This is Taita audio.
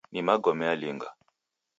Ni magome alinga?